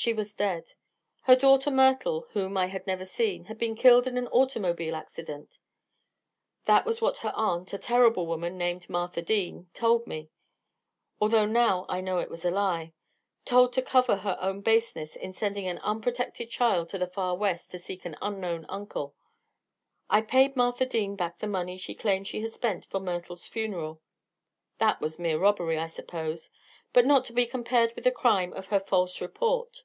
She was dead. Her daughter Myrtle, whom I had never seen, had been killed in an automobile accident. That is what her aunt, a terrible woman named Martha Dean, told me, although now I know it was a lie, told to cover her own baseness in sending an unprotected child to the far West to seek an unknown uncle. I paid Martha Dean back the money she claimed she had spent for Myrtle's funeral; that was mere robbery, I suppose, but not to be compared with the crime of her false report.